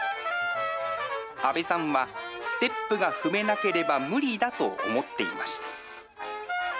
阿部さんは、ステップが踏めなければ無理だと思っていました。